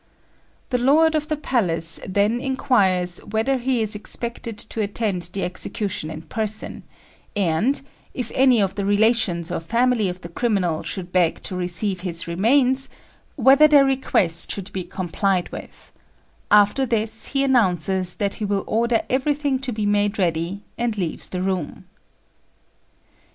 The lord of the palace then inquires whether he is expected to attend the execution in person, and, if any of the relations or family of the criminal should beg to receive his remains, whether their request should be complied with; after this he announces that he will order everything to be made ready, and leaves the room.